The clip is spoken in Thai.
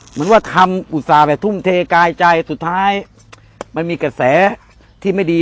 เหมือนว่าทำอุตส่าห์แบบทุ่มเทกายใจสุดท้ายมันมีกระแสที่ไม่ดี